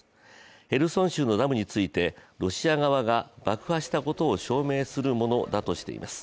ヘルソン州のダムについてロシア側が爆発したことを証明するものだとしています。